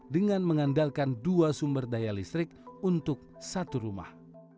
dengan mengandalkan dua sumber daya listrik untuk satu rumah